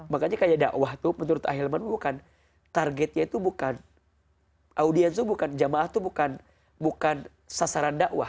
makanya kayak dakwah tuh menurut ahilman bukan targetnya itu bukan audiens itu bukan jamaah itu bukan sasaran dakwah